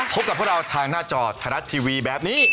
พบกับพวกเราทางหน้าจอไทยรัฐทีวีแบบนี้